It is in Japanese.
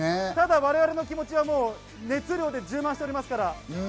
ただ我々の気持ちは熱量で充満しておりますから。